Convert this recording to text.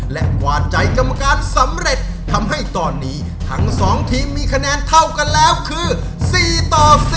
และกวาดใจกรรมการสำเร็จทำให้ตอนนี้ทั้ง๒ทีมมีคะแนนเท่ากันแล้วคือ๔ต่อ๔